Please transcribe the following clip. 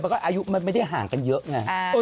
แล้วก็อายุมันไม่ได้ห่างกันเยอะไง